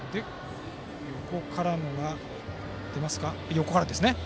横からですね。